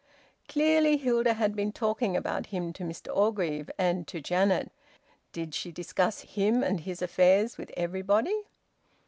Clearly Hilda had been talking about him to Mr Orgreave, and to Janet. Did she discuss him and his affairs with everybody?